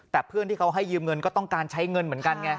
แต่เพื่อนที่เขาให้ยืมเงินก็ต้องการใช้เงินเหมือนกันไง